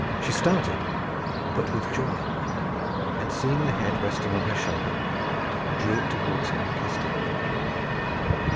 She started but with joy; and seeing the head resting on her shoulder, drew it towards her and kissed it.